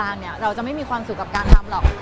เราจะไม่มีความสุขกับการทำหรอก